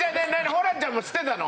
ホランちゃんも知ってたの？